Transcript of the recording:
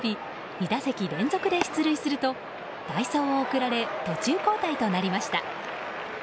２打席連続で出塁すると代走を送られ途中交代となりました。